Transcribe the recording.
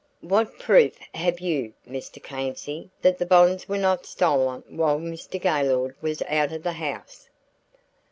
"What proof have you, Mr. Clancy, that the bonds were not stolen while Mr. Gaylord was out of the house?"